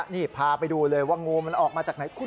นี่พาไปดูเลยว่างูมันออกมาจากไหนคุณ